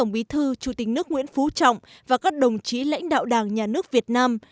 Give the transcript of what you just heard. bí thư chủ tịch nước nguyễn phú trọng và các đồng chí lãnh đạo đảng nhà nước việt nam